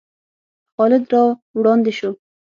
خالد را وړاندې شو.